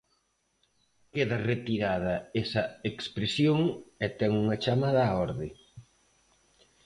Queda retirada esa expresión e ten unha chamada á orde.